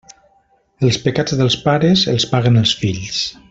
Els pecats dels pares els paguen els fills.